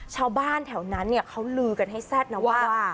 ชาวบ้านแถวนั้นเนี่ยเขาลือกันให้แซ่บนะว่า